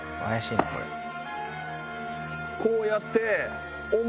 こうやって。